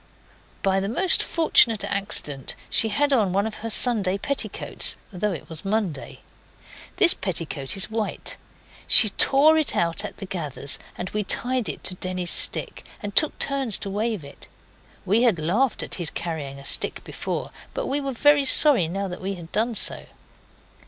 By the most fortunate accident she had on one of her Sunday petticoats, though it was Monday. This petticoat is white. She tore it out at the gathers, and we tied it to Denny's stick, and took turns to wave it. We had laughed at his carrying a stick before, but we were very sorry now that we had done so.